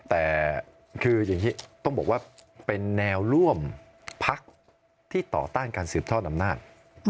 แต่คืออย่างนี้ต้องบอกว่าเป็นแนวร่วมพักที่ต่อต้านการสืบทอดอำนาจ